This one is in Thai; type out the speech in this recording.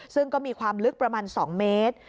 ซึ่งก็มีความลึกประมาณ๒เมตร